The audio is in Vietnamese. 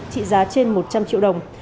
trị giá trên một trăm linh triệu đồng